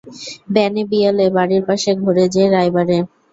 ব্যানে বিয়ালে বাড়ির পাশে ঘোরে যে রায়বারে।